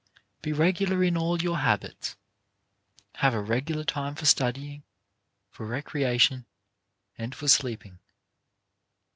Be regular in all your habits. Have a regular time for studying, for recreation, and for sleeping.